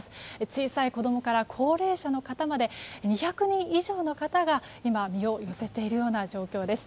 小さい子供から高齢者の方まで２００人以上の方が今、身を寄せている状況です。